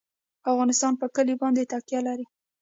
افغانستان په کلي باندې تکیه لري.